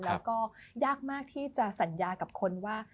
แล้วก็ยากมากที่จะสัญญากับคนว่า